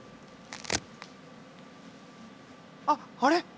あっあれ？